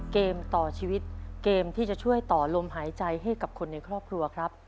เกมต่อชีวิตเกมที่จะช่วยต่อลมหายใจให้กับคนในครอบครัวครับ